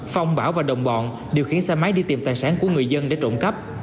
phong bảo và đồng bọn đều khiến xe máy đi tìm tài sản của người dân để trộm cắp